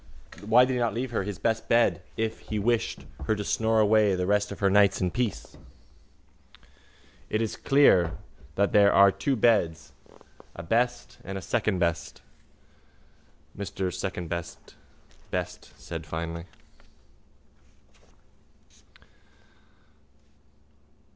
Why did he not leave her his best bed if he wished her to snore away the rest of her nights in peace? —It is clear that there were two beds, a best and a secondbest, Mr Secondbest Best said finely.